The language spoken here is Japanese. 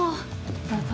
どうぞ。